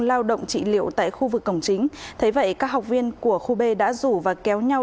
lao động trị liệu tại khu vực cổng chính thế vậy các học viên của khu b đã rủ và kéo nhau